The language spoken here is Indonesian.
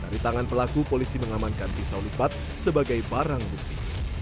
dari tangan pelaku polisi mengamankan pisau lipat sebagai barang bukti